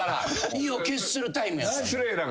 意を決するタイムやったんだ。